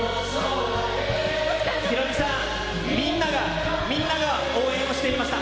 ヒロミさん、みんなが、みんなが応援をしていました。